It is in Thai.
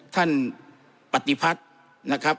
ท่านปติพัฒน์